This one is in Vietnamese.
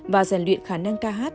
và giàn luyện khả năng ca hát